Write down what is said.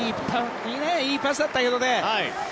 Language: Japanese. いいパスだったけどね。